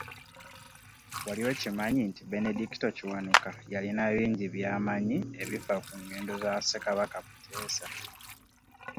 Wali okimanyi nti Benedicto Kiwanuka yalina bingi byamanyi ebifa ku ngendo za Ssekabaka Muteesa